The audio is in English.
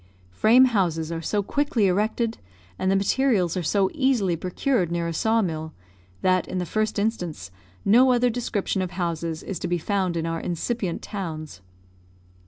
Frame houses are so quickly erected, and the materials are so easily procured near a saw mill, that, in the first instance, no other description of houses is to be found in our incipient towns.